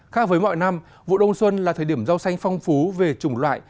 khác với mọi năm vụ đông xuân là thời điểm rau xanh phong phú về chủng loại